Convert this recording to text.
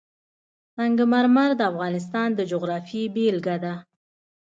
سنگ مرمر د افغانستان د جغرافیې بېلګه ده.